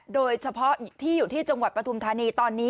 โดยเฉพาะที่อยู่ที่ตอนนี้จังหวัดปทุมทานี